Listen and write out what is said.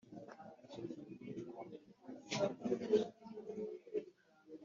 buri wese akurenguriraho azavuga ati inyana ni iya mweru